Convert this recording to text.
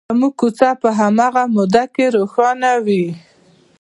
زموږ کوڅه په هماغې موده کې روښانه وي.